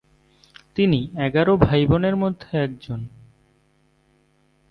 তিনি এগারো ভাইবোনের মধ্যে একজন।